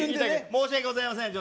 申し訳ございません。